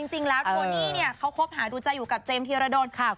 จริงแล้วโทนี่เนี่ยเขาคบหาดูใจอยู่กับเจมส์ธีรดลค่ะ